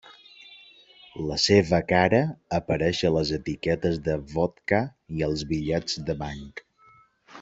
La seva cara apareix a les etiquetes de vodka i als bitllets de banc.